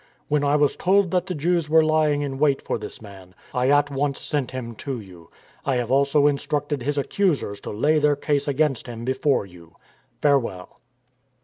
" When I was told that the Jews were lying in wait for this man, I at once sent him to you. I have also instructed his accusers to lay their case against him before you. " Farewell."